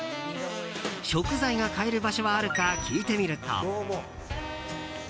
食材が買える場所はあるか聞いてみると。